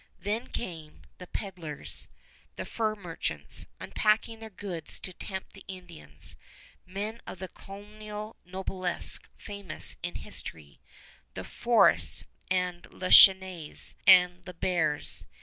Then came "the peddlers," the fur merchants, unpacking their goods to tempt the Indians, men of the colonial noblesse famous in history, the Fôrests and Le Chesnays and Le Bers.